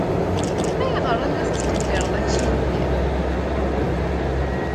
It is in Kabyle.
Ayɣer ay la tettqeddireḍ aksum-nni?